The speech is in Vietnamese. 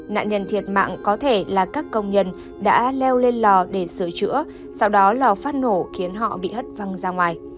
nạn nhân thiệt mạng có thể là các công nhân đã leo lên lò để sửa chữa sau đó lò phát nổ khiến họ bị hất văng ra ngoài